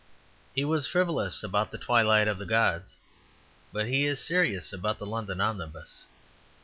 He was frivolous about the twilight of the gods; but he is serious about the London omnibus.